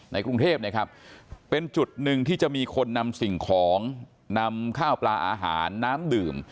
กรุงเทพเป็นจุดหนึ่งที่จะมีคนนำสิ่งของนำข้าวปลาอาหารน้ำดื่ม